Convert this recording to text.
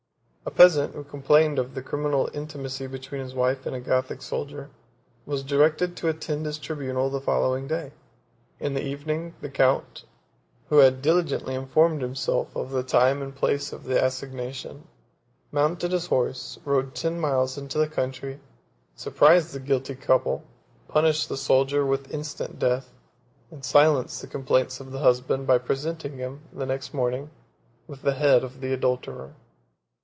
A peasant, who complained of the criminal intimacy between his wife and a Gothic soldier, was directed to attend his tribunal the following day: in the evening the count, who had diligently informed himself of the time and place of the assignation, mounted his horse, rode ten miles into the country, surprised the guilty couple, punished the soldier with instant death, and silenced the complaints of the husband by presenting him, the next morning, with the head of the adulterer.